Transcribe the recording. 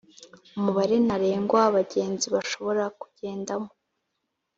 umubare ntarengwa w'abagenzi bashobora kugendamo